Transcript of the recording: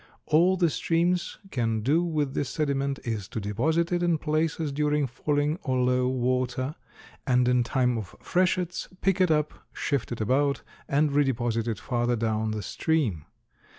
All the streams can do with this sediment is to deposit it in places during falling or low water, and in time of freshets, pick it up, shift it about and redeposit it farther down the stream.